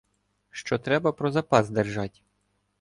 Що треба про запас держать.